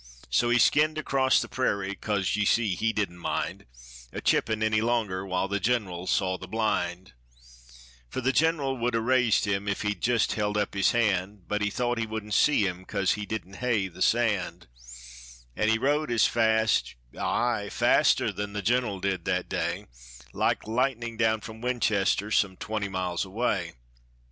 So he skinned across the prairy, cos ye see he didn't mind A chippin' any longer while the gener'l saw the blind; Fer the gener'l would a raised him, if he'd jist held up his hand, But he thought he wouldn't see him, cos he didn't hev the sand; An' he rode as fast aye, faster than the gener'l did that day, Like lightin' down from Winchester some twenty miles away.